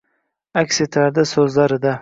Аks etardi soʼzlarida